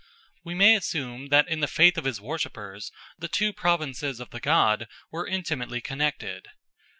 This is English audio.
We may assume that in the faith of his worshippers the two provinces of the god were intimately connected.